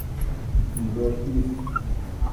nidosh is